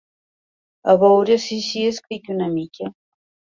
A veure si així escric una mica.